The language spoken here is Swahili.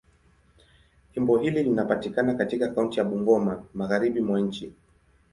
Jimbo hili linapatikana katika kaunti ya Bungoma, Magharibi mwa nchi.